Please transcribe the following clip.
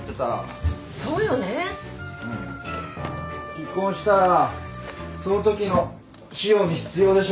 離婚したらそのときの費用に必要でしょ？